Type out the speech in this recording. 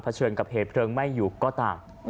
เชิญกับเหตุเพลิงไหม้อยู่ก็ตาม